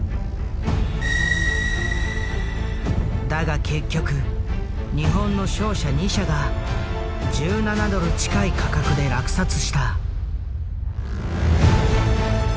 だが結局日本の商社２社が１７ドル近い価格で落札した。